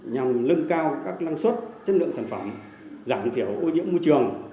nhằm lưng cao các năng suất chất lượng sản phẩm giảm thiểu ô nhiễm môi trường